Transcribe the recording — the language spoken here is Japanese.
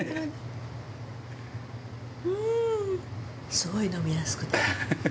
すごい飲みやすくて。